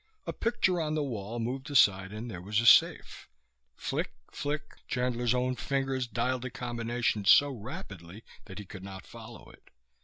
A picture on the wall moved aside and there was a safe. Flick, flick, Chandler's own fingers dialed a combination so rapidly that he could not follow it.